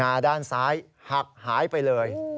าด้านซ้ายหักหายไปเลย